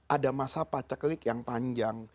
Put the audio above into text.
ada masa pacak kelik yang panjang